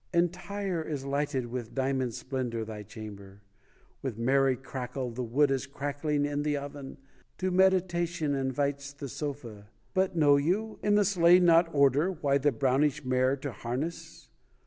Entire is lighted with diamond splendor Thy chamber ... with merry crackle The wood is crackling in the oven. To meditation invites the sofa. But know you ? In the sleigh not order why The brownish mare to harness?